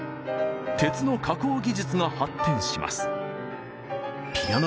鉄の加工技術が発展します。